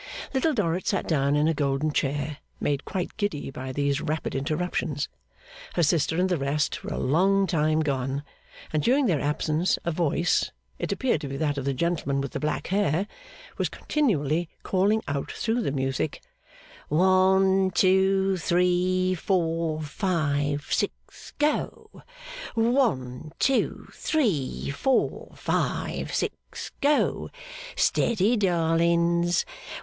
Little Dorrit sat down in a golden chair, made quite giddy by these rapid interruptions. Her sister and the rest were a long time gone; and during their absence a voice (it appeared to be that of the gentleman with the black hair) was continually calling out through the music, 'One, two, three, four, five, six go! One, two, three, four, five, six go! Steady, darlings!